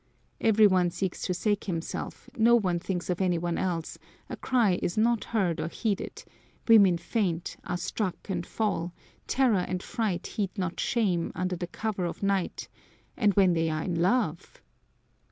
Every one seeks to save himself, no one thinks of any one else; a cry is not heard or heeded, women faint, are struck and fall, terror and fright heed not shame, under the cover of night and when they are in love!